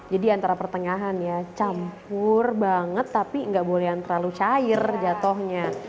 jadi antara pertengahan ya campur banget tapi gak boleh terlalu cair jatohnya